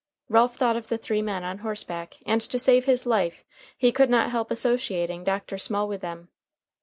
Ralph thought of the three men on horseback, and to save his life he could not help associating Dr. Small with them.